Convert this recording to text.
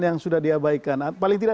yang sudah diabaikan paling tidak